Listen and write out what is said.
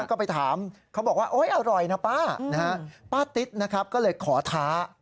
ก็ไปถามเขาบอกว่าโอ๊ยอร่อยนะป้านะฮะป้าป้าติ๊ดนะครับก็เลยขอท้า